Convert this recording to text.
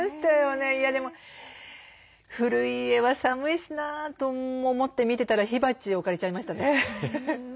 でも古い家は寒いしなと思って見てたら火鉢置かれちゃいました。